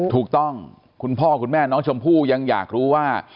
ถูกต้องคุณพ่อคุณแม่น้องชมพู่ยังอยากรู้ว่า